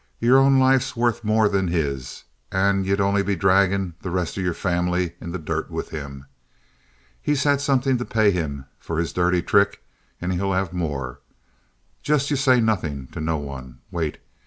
"Yer own life's worth more than his, and ye'd only be draggin' the rest of yer family in the dirt with him. He's had somethin' to pay him for his dirty trick, and he'll have more. Just ye say nothin' to no one. Wait.